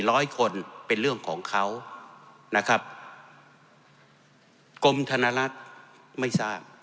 ร้อยคนเป็นเรื่องของเขานะครับกรมธนรัฐไม่ทราบ